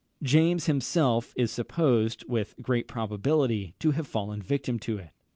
James himself is supposed, with great probability, to have fallen a victim to it.